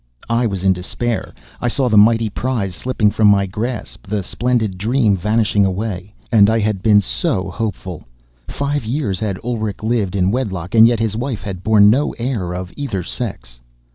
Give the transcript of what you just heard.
I was in despair. I saw the mighty prize slipping from my grasp, the splendid dream vanishing away. And I had been so hopeful! Five years had Ulrich lived in wedlock, and yet his wife had borne no heir of either sex.